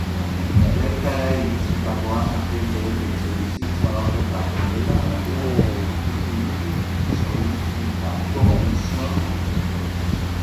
Bertara iritsitakoan, agenteek etxebizitza horretako gela batean aurkitu dute zauritutako gizona.